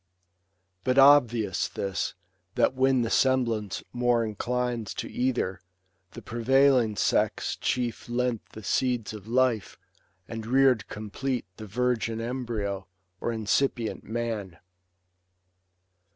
But obvious this, that when the semblance more Inclines to either, the prevailing sex Chief lent the seeds of life, and rear'd complete The virgin embryo, or incipient man.